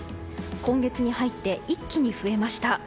今月に入って一気に増えました。